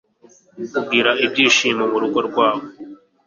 kugira ibyishimo mu rugo rwabo